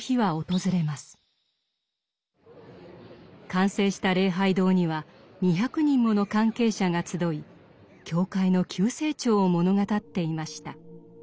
完成した礼拝堂には２００人もの関係者が集い教会の急成長を物語っていました。